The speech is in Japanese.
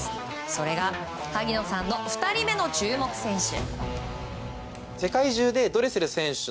それが萩野さんの２人目の注目選手。